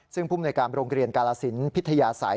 ซึ่งภูมิในการโรงเรียนกาลสินพิทยาศัย